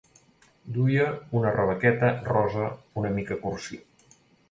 Duia una rebequeta rosa una mica cursi.